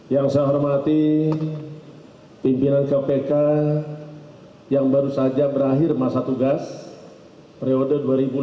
yang saya hormati pimpinan kpk yang baru saja berakhir masa tugas periode dua ribu lima belas dua ribu